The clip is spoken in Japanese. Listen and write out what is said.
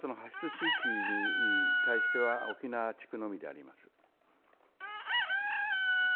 地域に対しては、沖縄地区のみであります。